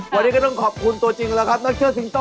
วันนี้ก็ต้องขอบคุณตัวจริงแล้วครับนักเชื่อซิงโต้